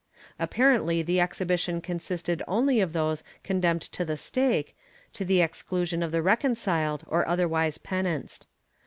Apparently the exhibition consisted only of those condemned to the stake, to the exclusion of the reconciled or otherwise penanced.